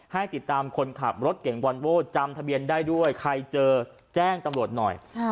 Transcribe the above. ให้ติดตามคนขับรถเก่งวอนโว้จำทะเบียนได้ด้วยใครเจอแจ้งตำรวจหน่อย